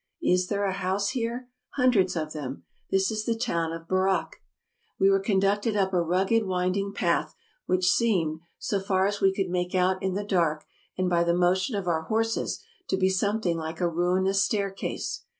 Is there a house here?" "Hundreds of them. This is the town of Burak. '' We were conducted up a rugged winding path, which seemed, so far as we could make out in the dark and by the motion of our horses, to be something like a ruinous stair case.